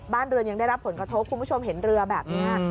บ้านเรือนยังได้รับผลกระทบคุณผู้ชมเห็นเรือแบบนี้